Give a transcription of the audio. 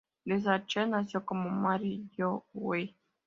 Deschanel nació como Mary Jo Weir.